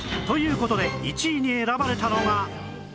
という事で１位に選ばれたのが